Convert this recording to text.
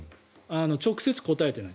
直接答えていない。